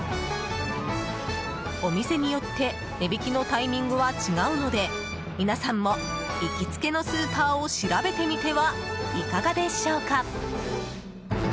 お店によって値引きのタイミングは違うので皆さんも行きつけのスーパーを調べてみてはいかがでしょうか。